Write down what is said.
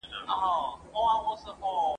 موږ نه غواړو چي ماشومان مو په جنګ کي را لوی سي.